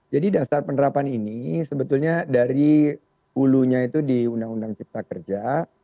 jadi dasar penerapan ini sebetulnya dari ulunya itu di undang undang cipta kerja